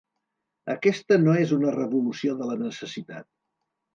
Aquesta no és una revolució de la necessitat.